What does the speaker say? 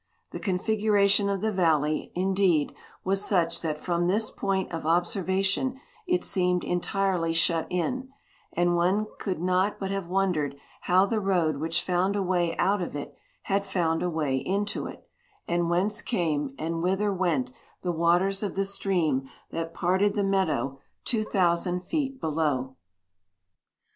The configuration of the valley, indeed, was such that from this point of observation it seemed entirely shut in, and one could not but have wondered how the road which found a way out of it had found a way into it, and whence came and whither went the waters of the stream that parted the meadow two thousand feet below.